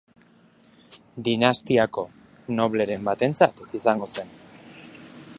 Dinastiako nobleren batentzat izango zen.